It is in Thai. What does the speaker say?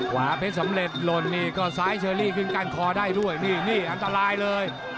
ขวาเพชรสำเร็จหล่นซ้ายเชอรี่ขึ้นกันคอได้ด้วยอันตรายเลย